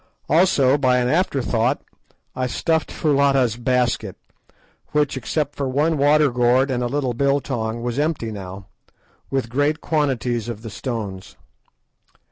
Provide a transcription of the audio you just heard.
Also, by an afterthought, I stuffed Foulata's basket, which, except for one water gourd and a little biltong, was empty now, with great quantities of the stones.